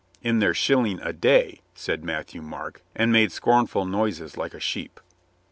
"In their shilling a day," said Matthieu Marc, and made scornful noises like a sheep.